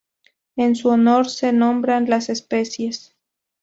En su honor se nombran las especies